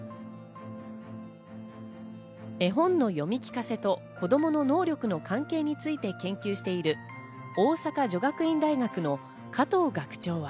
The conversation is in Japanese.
絵本の読み聞かせと子供の能力の関係について研究している大阪女学院大学の加藤学長は。